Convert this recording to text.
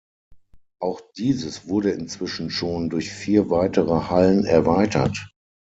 Auch dieses wurde inzwischen schon durch vier weitere Hallen erweitert.